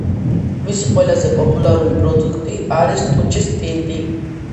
მისი ყველაზე პოპულარული პროდუქტი არის ტუჩის ტინტი